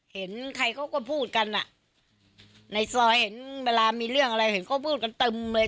เห็นใครเขาก็พูดกันอ่ะในซอยเห็นเวลามีเรื่องอะไรเห็นเขาพูดกันตึมเลย